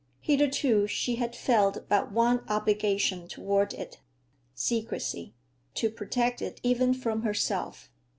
Hitherto she had felt but one obligation toward it—secrecy; to protect it even from herself.